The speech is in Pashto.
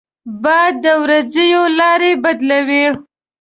باد د ورېځو لاره بدلوي